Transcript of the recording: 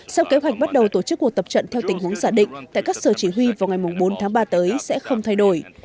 sau kế hoạch bắt đầu tổ chức cuộc tập trận theo tình huống giả định tại các sở chỉ huy vào ngày bốn tháng ba tới sẽ không thay đổi